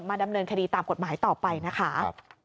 ดำเนินคดีตามกฎหมายต่อไปนะคะ